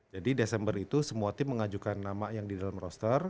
jadi desember itu semua tim mengajukan nama yang di dalam roster